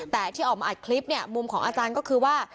แต่ที่ออกมาอัดคลิปเนี่ยมุมของอาจารย์ก็คือว่า